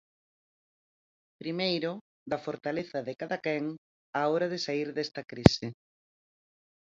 Primeiro, da fortaleza de cada quen á hora de saír desta crise.